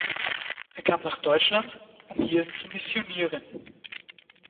Er kam nach Deutschland, um hier zu missionieren.